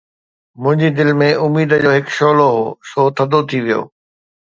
منهنجي دل ۾ اميد جو هڪ شعلو هو، سو ٿڌو ٿي ويو